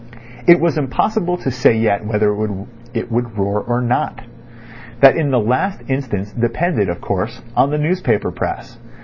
It was impossible to say yet whether it would roar or not. That in the last instance depended, of course, on the newspaper press.